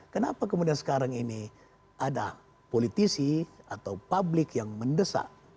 kenapa kemudian sekarang ini ada politisi atau publik yang mendesak